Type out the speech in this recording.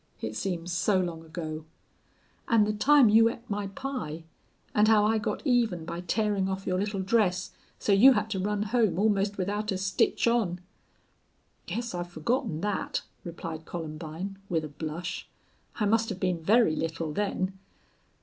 "It seems so long ago." "And the time you ate my pie, and how I got even by tearing off your little dress, so you had to run home almost without a stitch on?" "Guess I've forgotten that," replied Columbine, with a blush. "I must have been very little then."